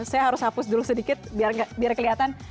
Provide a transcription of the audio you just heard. saya harus hapus dulu sedikit biar kelihatan